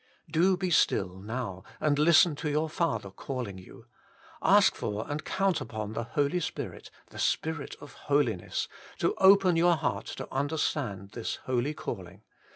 4. Do be still now, and listen to your Father calling you. Ash for and count upon the Holy Spirit, the Spirit of Holiness, to open your heart to under stand this holy calling.